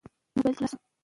ځان نوی کړئ.